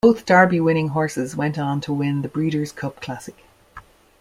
Both Derby-winning horses went on to win the Breeders' Cup Classic.